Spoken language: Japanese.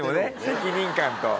責任感と。